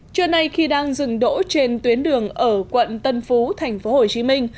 trưa nay khi đang dừng đỗ trên tuyến đường ở quận tân phú thành phố hồ chí minh